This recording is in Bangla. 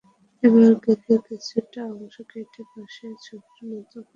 এবার কেকের কিছুটা অংশ কেটে পাশে ছবির মতো করে বসিয়ে দিন।